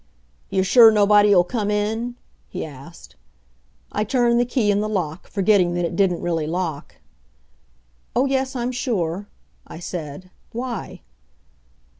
"You're sure nobody'll come in?" he asked. I turned the key in the lock, forgetting that it didn't really lock. "Oh, yes, I'm sure," I said. "Why?"